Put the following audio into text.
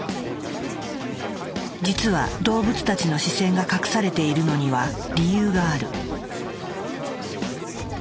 実は動物たちの視線が隠されているのには理由がある。